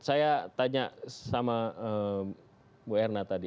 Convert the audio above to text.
saya tanya sama bu erna tadi